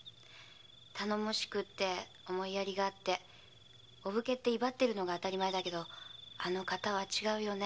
頼もしくって思いやりがあってお武家って威張ってるのが当たり前だけどあの方は違うよね。